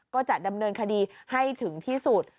ก็จะดำเนินคดีให้ถึงที่สุด